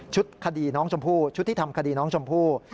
คดีน้องชมพู่ชุดที่ทำคดีน้องชมพู่